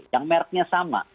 yang merknya sama